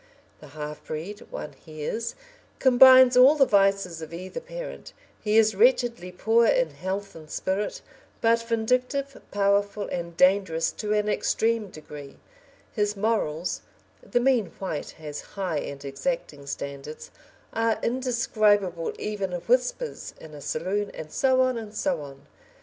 The half breed, one hears, combines all the vices of either parent, he is wretchedly poor in health and spirit, but vindictive, powerful, and dangerous to an extreme degree, his morals the mean white has high and exacting standards are indescribable even in whispers in a saloon, and so on, and so on.